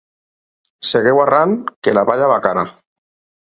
Segueu arran, que la palla va cara.